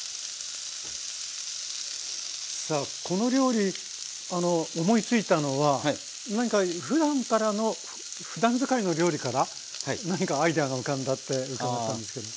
さあこの料理思いついたのは何かふだんからのふだん使いの料理から何かアイデアが浮かんだって伺ったんですけど。